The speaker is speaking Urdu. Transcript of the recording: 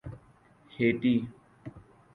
ہیٹی